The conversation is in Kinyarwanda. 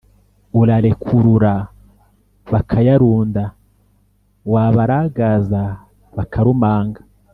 « urarekurura bakayarunda/ wabaragaza bakarumanga/